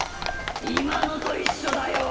いまのといっしょだよ。